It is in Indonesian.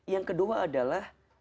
yang kedua adalah